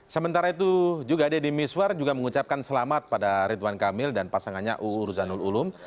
sementara itu juga deddy miswar juga mengucapkan selamat pada ridwan kamil dan pasangannya uu ruzanul ulum